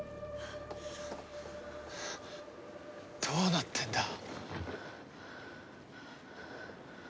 どうなってんだ？